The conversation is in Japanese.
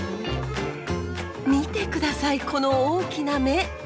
見て下さいこの大きな目！